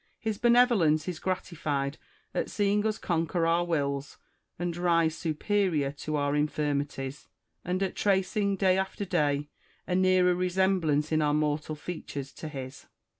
His benevolence is gratified at seeing us conquer our wills and rise superior to our infirmi ties, and at tracing day after day a nearer resemblance in our moral features to his.